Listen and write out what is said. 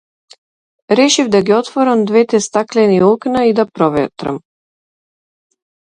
Решив да ги отворам двете стаклени окна и да проветрам.